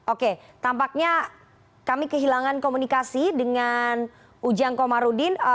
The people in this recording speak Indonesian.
oke tampaknya kami kehilangan komunikasi dengan ujang komarudin